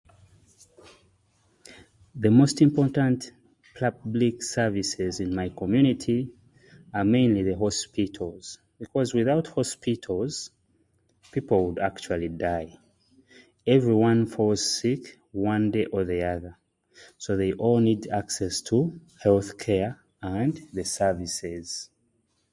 The most important public services in my community are mainly the hospitals. Because without hospitals, people would actually die. Everyone falls sick, one day or another. So, they all need access to healthcare and the services.